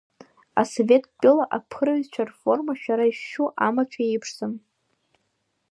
Асовет тәыла аԥырҩцәа рформа шәара ишәшәу амаҭәа иеиԥшӡам.